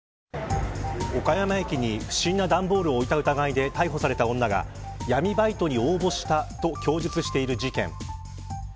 岡山駅に不審な段ボールを置いた疑いで逮捕された女が闇バイトに応募したと供述している事件。